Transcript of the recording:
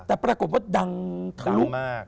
แต่ปรากฏว่าดังเทา